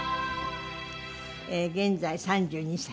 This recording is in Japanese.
現在３２歳。